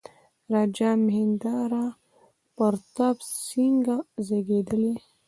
راجا مهیندرا پراتاپ سینګه زېږېدلی.